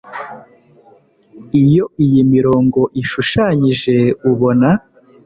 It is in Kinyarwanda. iyo iyi mirongo ishushanyije ubona